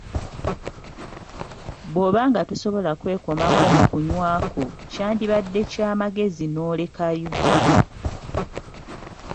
Bw'obanga tosobola kwekomako mu kunywakwo kyandibadde kya magezi n'olekayo.